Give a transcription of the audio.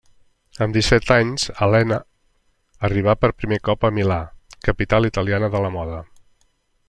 Amb disset anys, Alena, arriba per primer cop a Milà, capital italiana de la moda.